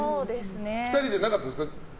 ２人で、なかったですか？